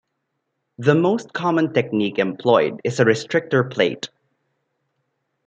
The most common technique employed is a restrictor plate.